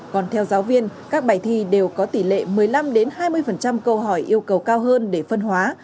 còn theo giáo viên các bài thi đều có tỷ lệ một mươi năm hai mươi câu hỏi yêu cầu cao hơn để phân hóa